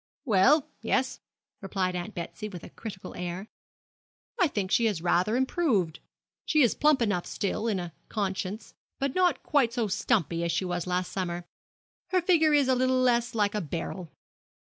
'Well, yes,' replied Aunt Betsy, with a critical air; 'I think she has rather improved. She is plump enough still, in all conscience, but not quite so stumpy as she was last summer. Her figure is a little less like a barrel.'